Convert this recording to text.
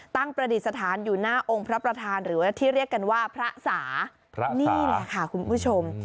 ประดิษฐานอยู่หน้าองค์พระประธานหรือว่าที่เรียกกันว่าพระสานี่แหละค่ะคุณผู้ชม